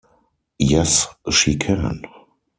Yes she can.